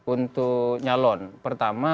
untuk nyalon pertama